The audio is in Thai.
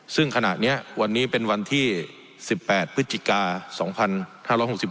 ซึ่งขณะนี้วันนี้เป็นวันที่๑๘พฤศจิกา๒๕๖๒